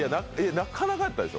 なかなかやったでしょ？